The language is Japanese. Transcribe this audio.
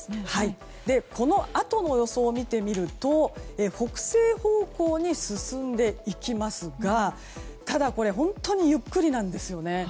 このあとの予想を見てみると北西方向に進んでいきますがただ、本当にゆっくりなんですよね。